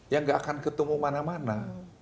ya enggak akan ketemu mana mana